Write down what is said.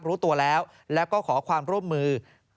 รู้ตัวแล้วแล้วก็ขอความร่วมมือ